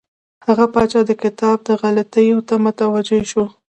هغه پاچا د کتاب غلطیو ته متوجه شو.